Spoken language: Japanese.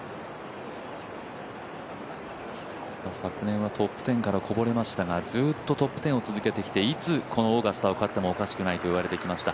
昨年はトップ１０からこぼれましたが、ずっとトップ１０を続けてきて、いつこのオーガスタを勝ってもおかしくないと言われてきました。